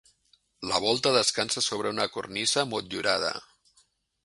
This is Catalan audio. La volta descansa sobre una cornisa motllurada.